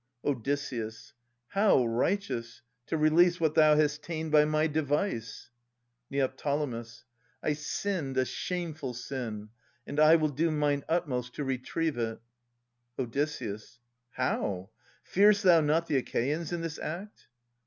Od. How righteous, to release what thou hast ta'en By my device ? Neo. I sinned a shameful sin. And I will do mine utmost to retrieve it. Od. How ? Fear'st thou not the Achaeans in this act